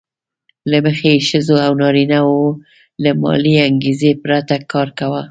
له مخې یې ښځو او نارینه وو له مالي انګېزې پرته کار کاوه